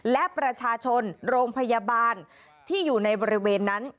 และประชาชนโรงพยาบาลที่อยู่ในบริเวณนั้น